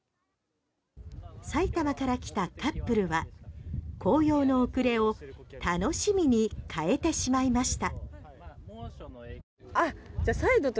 埼玉から来たカップルは紅葉の遅れを楽しみに変えてしまいました。